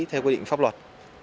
theo quy định pháp luật